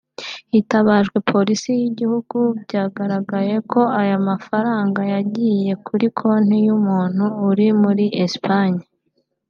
Hitabajwe Polisi y’igihugu byagaragaye ko aya mafaranga yagiye kuri konti y’umuntu uri muri Espagne